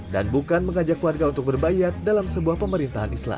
dan bukan mengajak warga untuk berbayat dalam sebuah pemerintahan islam